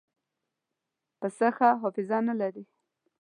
پسه ښه حافظه نه لري.